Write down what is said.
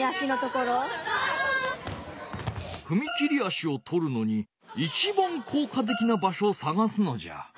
ふみ切り足をとるのにいちばんこうかてきなばしょをさがすのじゃ。